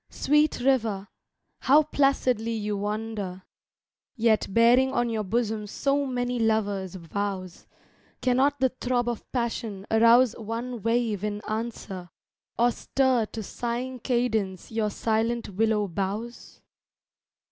sweet river, how placidly you wander, Yet bearing on your bosom so many lovers' vows; Cannot the throb of passion arouse one wave in answer, Or stir to sighing cadence your silent willow boughs?